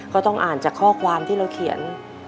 ก็ต้องอ่านจากข้อความที่เราเขียน